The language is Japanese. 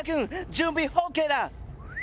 準備ＯＫだ。